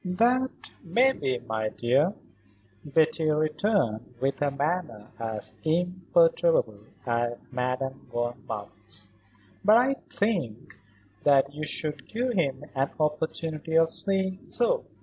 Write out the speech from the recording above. "That may be, my dear," Betty returned with a manner as imperturbable as Madame von Marwitz's; "but I think that you should give him an opportunity of saying so.